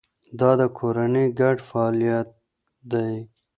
دا د کورنۍ ګډ فعالیت دی.